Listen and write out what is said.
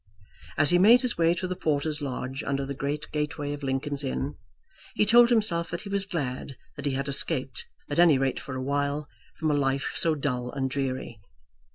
As he made his way to the porter's lodge under the great gateway of Lincoln's Inn, he told himself that he was glad that he had escaped, at any rate for a while, from a life so dull and dreary.